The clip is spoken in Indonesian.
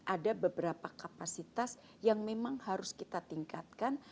ada beberapa kapasitas yang memang harus kita tingkatkan